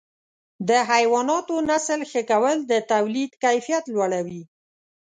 د حیواناتو نسل ښه کول د تولید کیفیت لوړوي.